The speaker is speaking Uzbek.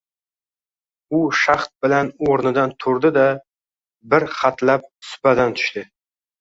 U shahd bilan o‘rnidan turdi-da, bir hatlab supadan tushdi.